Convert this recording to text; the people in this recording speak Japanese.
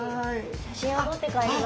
写真を撮って帰ります。